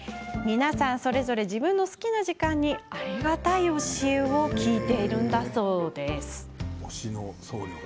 皆さん、それぞれ自分の好きな時間にありがたい教えを聞いているんだそうです。